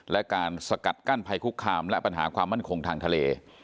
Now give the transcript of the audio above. และการสกัดกั้นภัยคุกคามและปัญหาความมั่นคงทางทะเล